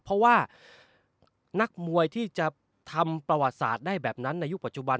เพราะว่านักมวยที่จะทำประวัติศาสตร์ได้แบบนั้นในยุคปัจจุบัน